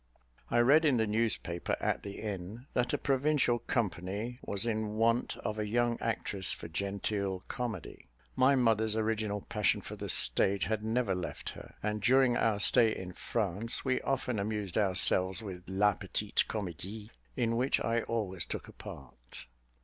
I read in the newspaper, at the inn, that a provincial company was in want of a young actress for genteel comedy. My mother's original passion for the stage had never left her; and, during our stay in France, we often amused ourselves with la petite comédie, in which I always took a part.